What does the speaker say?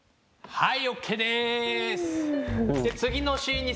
はい。